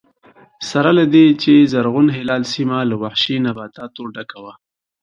سره له دې چې زرغون هلال سیمه له وحشي نباتاتو ډکه وه